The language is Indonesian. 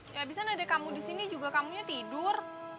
ya abisan ada kamu di sini juga kamunya tidur